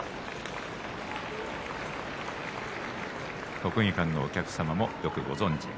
国技館のお客さんもよくご存じです。